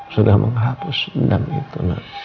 sudah menghabis dendam itu